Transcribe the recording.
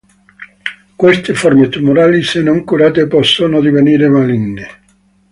Queste forme tumorali se non curate possono divenire maligne.